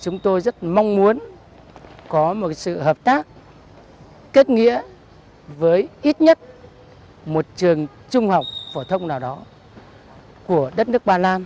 chúng tôi rất mong muốn có một sự hợp tác kết nghĩa với ít nhất một trường trung học phổ thông nào đó của đất nước ba lan